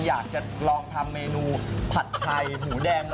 อยากจะลองทำเมนูผัดไทยหมูแดง